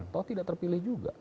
toh tidak terpilih juga